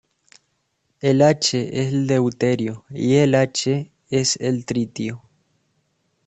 El H es el deuterio y el H es el tritio.